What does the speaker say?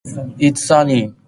It's sunny.